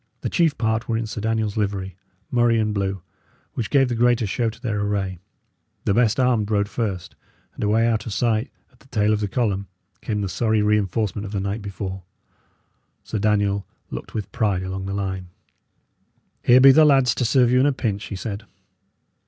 The chief part were in Sir Daniel's livery, murrey and blue, which gave the greater show to their array. The best armed rode first; and away out of sight, at the tail of the column, came the sorry reinforcement of the night before. Sir Daniel looked with pride along the line. "Here be the lads to serve you in a pinch," he said.